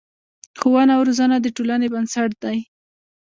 ښوونه او روزنه د ټولنې بنسټ دی.